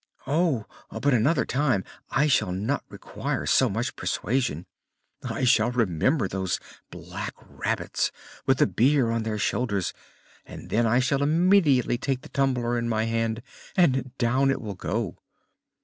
"Oh! but another time I shall not require so much persuasion. I shall remember those black rabbits with the bier on their shoulders and then I shall immediately take the tumbler in my hand, and down it will go!"